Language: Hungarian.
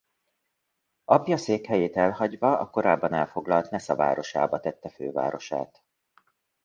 Apja székhelyét elhagyva a korábban elfoglalt Nesza városába tette fővárosát.